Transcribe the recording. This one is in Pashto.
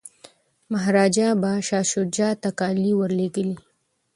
مهاراجا به شاه شجاع ته کالي ور لیږي.